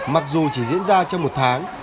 mặc dù chỉ diễn ra trong một tháng